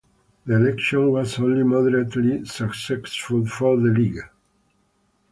The election was only moderately successful for the League.